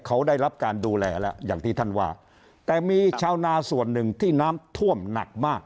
เขาได้รับการดูแลแล้วอย่างที่ท่านว่าแต่มีชาวนาส่วนหนึ่งที่น้ำท่วมหนักมาก